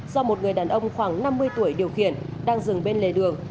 do một người đàn ông khoảng năm mươi tuổi điều khiển đang dừng bên lề đường